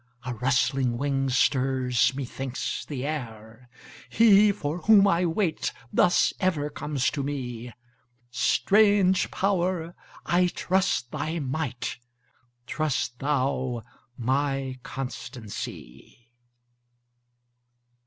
a rustling wing stirs, methinks, the air: He for whom I wait, thus ever comes to me; Strange Power! I trust thy might; trust thou my constancy.